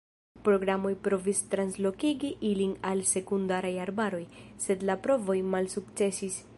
Programoj provis translokigi ilin al sekundaraj arbaroj, sed la provoj malsukcesis.